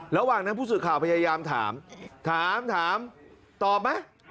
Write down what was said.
ระหว่างนั้นผู้สื่อข่าวพยายามถามถามตอบไหม